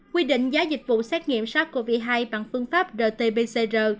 quy định giá dịch vụ xét nghiệm sars cov hai bằng phương pháp rt pcr